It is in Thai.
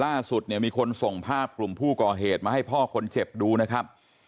ล่าสุดเนี่ยมีคนส่งภาพกลุ่มผู้ก่อเหตุมาให้พ่อคนเจ็บดูนะครับ